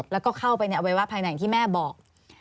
แล้วก็เข้าไปในอวัยวะภายในอย่างที่แม่บอก